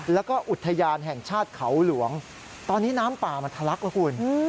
แล้วก็อุทยานแห่งชาติเขาหลวงตอนนี้น้ำป่ามันทะลักแล้วคุณ